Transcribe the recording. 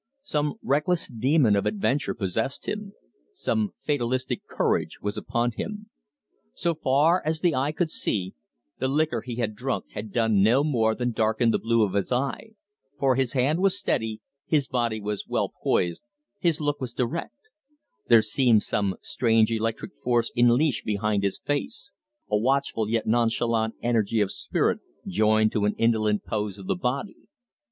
Some reckless demon of adventure possessed him; some fatalistic courage was upon him. So far as the eye could see, the liquor he had drunk had done no more than darken the blue of his eye, for his hand was steady, his body was well poised, his look was direct; there seemed some strange electric force in leash behind his face, a watchful yet nonchalant energy of spirit, joined to an indolent pose of body.